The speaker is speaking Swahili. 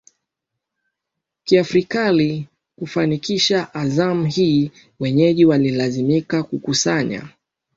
KiafrikaIli kufanikisha azma hii wenyeji walilazimika kukusanya